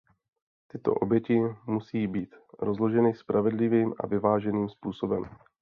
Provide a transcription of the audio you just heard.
Tyto oběti musí být rozloženy spravedlivým a vyváženým způsobem.